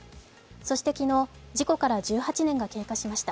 そして昨日、事故から１８年が経過しました。